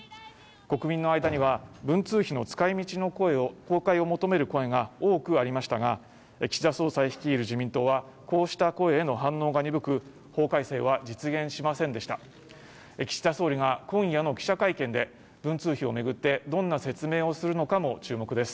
国民の間には文通費の使いみちの声を公開を求める声が多くありましたが岸田総裁率いる自民党はこうした行為への反応が鈍く法改正は実現しませんでした岸田総理が今夜の記者会見で文通費をめぐってどんな説明をするのかも注目です